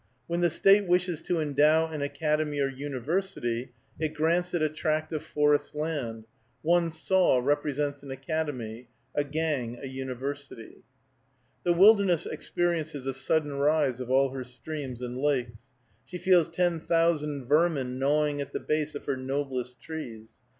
When the State wishes to endow an academy or university, it grants it a tract of forest land: one saw represents an academy; a gang, a university. The wilderness experiences a sudden rise of all her streams and lakes. She feels ten thousand vermin gnawing at the base of her noblest trees.